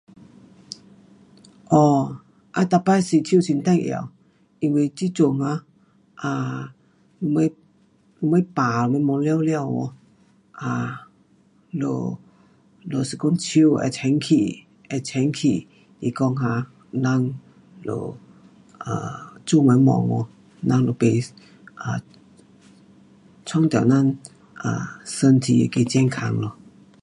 um 每次洗手很重要。因为这阵啊，um 什么，什么病就全部有，um 若是讲手会清洁，会清洁来讲 um，咱们就做什么，我们甭弄到咱身体那个健康咯。